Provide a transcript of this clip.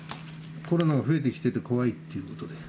コロナが増えてきてて怖いっていうことで。